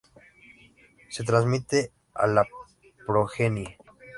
Se transmiten a la progenie.